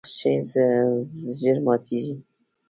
سخت شی ژر ماتیږي.